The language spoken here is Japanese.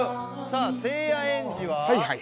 さあせいやエンジは？